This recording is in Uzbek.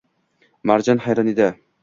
Marjon hayron edi